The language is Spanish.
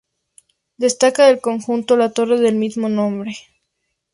Destaca del conjunto la torre del mismo nombre.